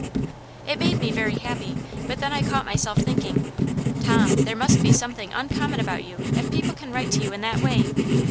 "It made me very happy. But then I caught myself thinking, 'Tom, there must be something uncommon about you if people can write to you in that way!'